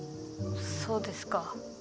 そうですか。